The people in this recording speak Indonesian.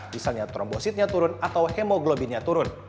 misalnya trombositnya turun atau hemoglobinnya turun